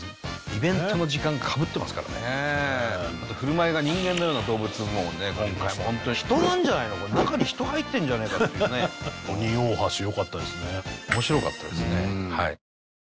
イベントの時間かぶってますからねまた振る舞いが人間のような動物もね今回ホントに人なんじゃないのこれ中に人入ってんじゃねえかっていうねオニオオハシよかったですね面白かったですね